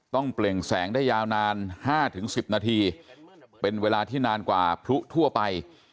เปล่งแสงได้ยาวนาน๕๑๐นาทีเป็นเวลาที่นานกว่าพลุทั่วไป